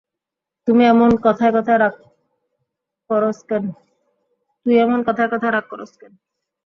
তুই এমন কথায়-কথায় রাগ করস কেন?